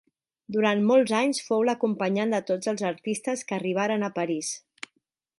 Durant molts anys fou l'acompanyant de tots els artistes que arribaren a París.